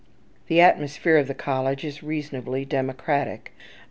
The atmosphere of the college is reasonably democratic.